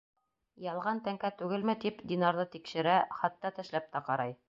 Ялған тәңкә түгелме тип, динарҙы тикшерә, хатта тешләп тә ҡарай.